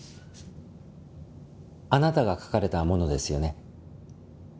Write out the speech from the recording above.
あなたが書かれたものですよね？